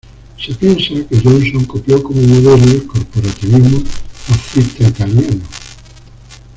Se piensa que Johnson copió como modelo el corporativismo fascista italiano.